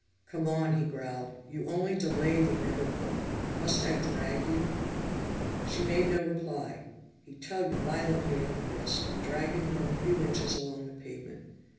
"Come on," he growled. "You only delay the inevitable. Must I drag you?" She made no reply. He tugged violently at her wrist, dragging her a few inches along the pavement.